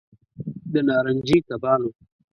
د نارنجي کبانو